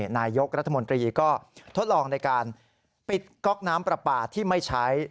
นายกรัฐมนตรีก็ทดลองในการปิดก๊อกน้ำปลาปลาที่ไม่ใช้